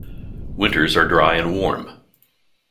Winters are dry and warm.